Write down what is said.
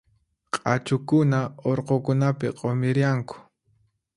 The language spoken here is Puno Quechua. Q'achukuna urqukunapi q'umirianku.